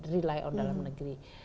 rely on dalam negeri